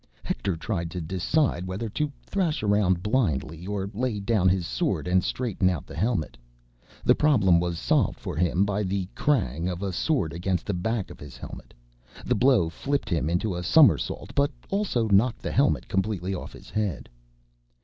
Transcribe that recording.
Hector tried to decide whether to thrash around blindly or lay down his sword and straighten out the helmet. The problem was solved for him by the crang! of a sword against the back of his helmet. The blow flipped him into a somersault, but also knocked the helmet completely off his head.